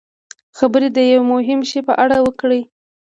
خبرې د یوه مهم شي په اړه وکړي.